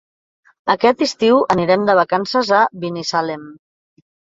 Aquest estiu anirem de vacances a Binissalem.